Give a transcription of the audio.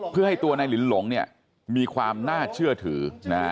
เพื่อให้ตัวในลิ้นหลงมีความน่าเชื่อถือ